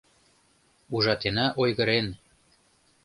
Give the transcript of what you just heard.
Ужатена ойгырен.